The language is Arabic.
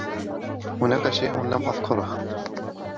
هناك شيء لم أذكره.